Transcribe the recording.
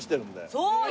そうよ。